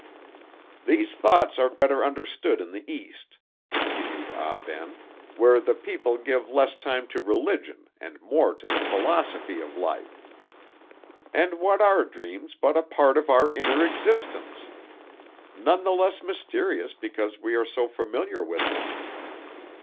"These thoughts are better understood in the East," continued Ah Ben, "where the people give less time to religion and more to the philosophy of life. And what are dreams but a part of our inner existence? None the less mysterious because we are so familiar with them.